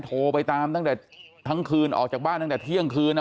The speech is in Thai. โทรไปตามตั้งแต่ทั้งคืนออกจากบ้านตั้งแต่เที่ยงคืน